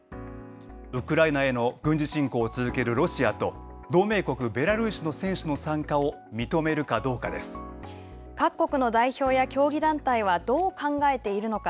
ウクライナへの軍事進行を続けるロシアと同盟国ベラルーシの選手の参加を各国の代表や競技団体はどう考えているのか。